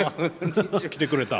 来てくれた。